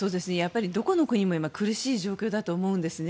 どこの国も苦しい状況だと思うんですね。